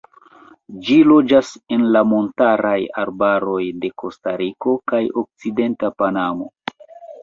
Ĝi loĝas en la montaraj arbaroj de Kostariko kaj okcidenta Panamo.